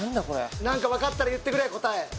これ何か分かったら言ってくれ答え